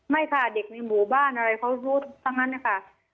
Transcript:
ไม่ค่ะเด็กในหมู่บ้านอะไรเขารู้ทั้งนั้นนะคะ